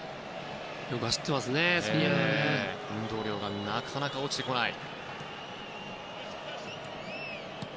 運動量がなかなか落ちてきません。